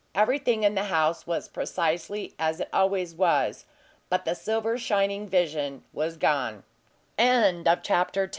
Everything in the house was precisely as it always was, but the silver shining vision was gone. CHAPTER I